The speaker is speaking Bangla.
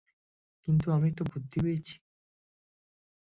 কিন্তু আমি একটা বুদ্ধি পেয়েছি!